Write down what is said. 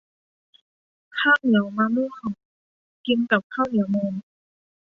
ข้างเหนียวมะม่วง กินกับข้าวเหนียวมูน